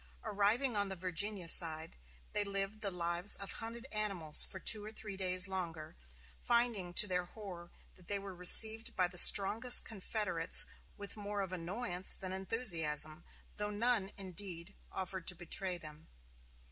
Arriving on the Virginia side, they lived the lives of hunted animals for two or three days longer, finding to their horror that they were received by the strongest Confederates with more of annoyance than enthusiasm, though none, indeed, offered to betray them.